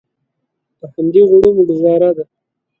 په همدې غوړو مو ګوزاره ده.